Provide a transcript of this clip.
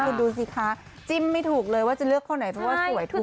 คุณดูสิคะจิ้มไม่ถูกเลยว่าจะเลือกข้อไหนเพราะว่าสวยถูก